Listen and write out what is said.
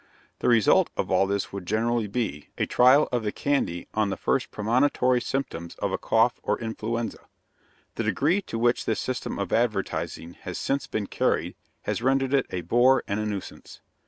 The result of all this would generally be, a trial of the candy on the first premonitory symptoms of a cough or influenza. The degree to which this system of advertising has since been carried has rendered it a bore and a nuisance.